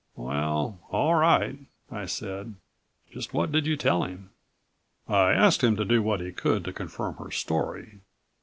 "Well ... all right," I said. "Just what did you tell him." "I asked him to do what he could to confirm her story.